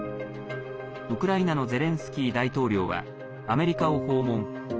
ウクライナのゼレンスキー大統領はアメリカを訪問。